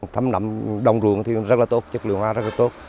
thấm nấm đồng ruộng thì rất là tốt chất lượng hoa rất là tốt